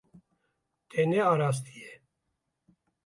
Te nearastiye.